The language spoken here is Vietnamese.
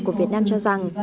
của việt nam cho rằng